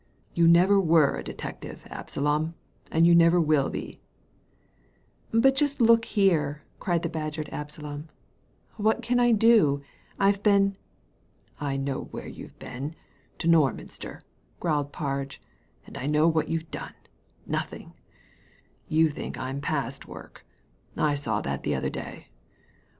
You never were a detective, Absalom, and you never will be t '' ''But just look here/' cried the badgered AbsalooL " What can I do ? I've been " "I know where you've been — ^to Norminster/ growled Parge, *'and I know what you've done — nothing. You think I'm past work. I saw that the other day.